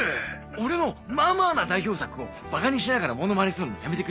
俺のまぁまぁな代表作をばかにしながらものまねするのやめてくれる？